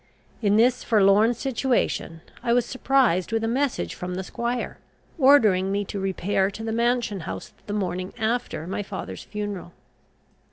In this forlorn situation I was surprised with a message from the squire, ordering me to repair to the mansion house the morning after my father's funeral.